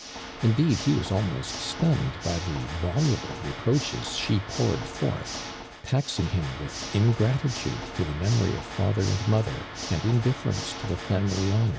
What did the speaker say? Indeed, he was almost stunned by the volu ble yeproaohes she poured forth, taxing him vfitjfi ingratitude to the memory of father and mother, and indifierence to the family hOQO^.